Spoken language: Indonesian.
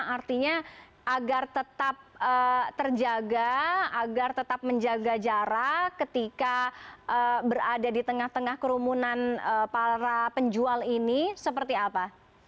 artinya agar tetap terjaga agar tetap menjaga jarak ketika berada di tengah tengah kerumunan para penjual ini seperti apa